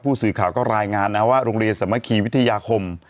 ผู้สื่อข่าวก็รายงานนะว่าโรงเรียนสามัคคีวิทยาคม